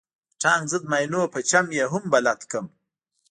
د ټانک ضد ماينونو په چم يې هم بلد کړم.